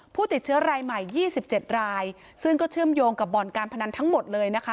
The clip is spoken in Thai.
ผู้ติดเชื้อรายใหม่๒๗รายซึ่งก็เชื่อมโยงกับบ่อนการพนันทั้งหมดเลยนะคะ